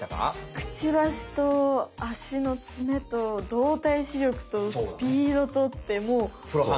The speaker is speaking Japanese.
くちばしと足のツメと動体視力とスピードとってもう。